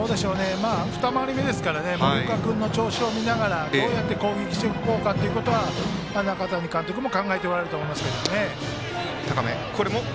二回り目ですから森岡君の調子を見ながらどうやって攻撃していこうかということは西谷監督も考えておられると思います。